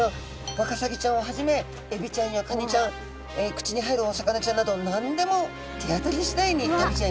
ワカサギちゃんをはじめエビちゃんやカニちゃん口に入るお魚ちゃんなど何でもてあたりしだいに食べちゃいます。